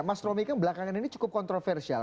mas romi kan belakangan ini cukup kontroversial